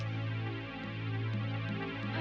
oh itu orangnya